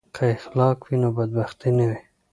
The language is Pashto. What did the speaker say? که اخلاق وي نو بدبختي نه وي.